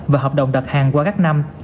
và hợp đồng đặt hàng qua các năm